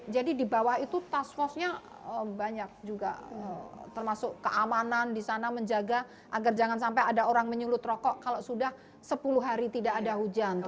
jadi di bawah itu task force nya banyak juga termasuk keamanan di sana menjaga agar jangan sampai ada orang menyulut rokok kalau sudah sepuluh hari tidak ada hujan